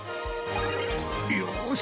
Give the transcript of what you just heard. よし！